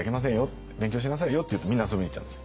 勉強しなさいよ」って言うとみんな遊びに行っちゃうんです。